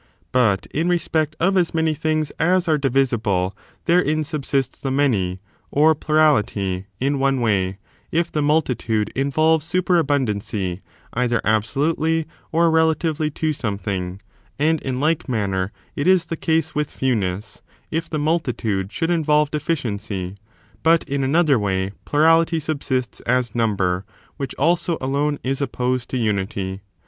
But in respect of as many things as are divisible therein subsists the many, or plurality, in one way, if th^ multitude involves superabundancy either absolutely or rela tively to something — and, in like manner, it is the case with fewness, if the multitude should involve deficiency — ^but, in another way, plurality subsists as number, which also aloue is opposed to unity.